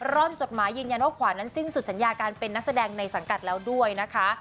ร่อนจดหมายยืนยันว่าขวานนั้นสิ้นสุดสัญญาการเป็นนักแสดงในสังกัดแล้วด้วยนะคะ